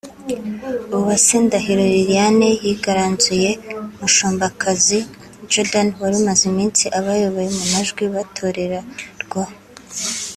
Uwase Ndahiro Liliane yigaranzuye Mushombakazi Jordan wari umaze iminsi abayoboye mu majwi batorerarwaho